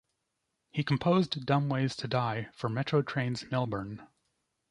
He composed "Dumb Ways to Die" for Metro Trains Melbourne.